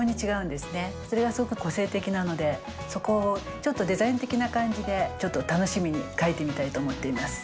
それがすごく個性的なのでそこをちょっとデザイン的な感じでちょっと楽しみに描いてみたいと思っています。